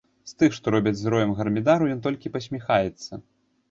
З тых, што робяць з роем гармідару, ён толькі пасміхаецца.